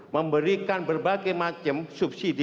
memberikan berbagai macam subsidi